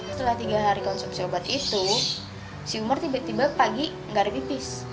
setelah tiga hari konsumsi obat itu si umar tiba tiba pagi nggak lebih pis